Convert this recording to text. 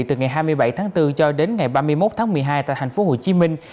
từ ngày hai mươi bảy tháng bốn cho đến ngày ba mươi một tháng một mươi hai tại thành phố hồ chí minh